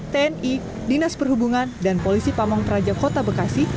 tni dinas perhubungan dan polisi pamung praja kota bekasi